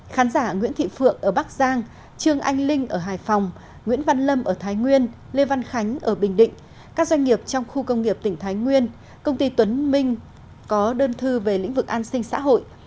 khán giả nguyễn thị phượng ở bắc giang trương anh linh ở hải phòng nguyễn văn lâm ở thái nguyên lê văn khánh ở bình định các doanh nghiệp trong khu công nghiệp tỉnh thái nguyên công ty tuấn minh có đơn thư về lĩnh vực an sinh xã hội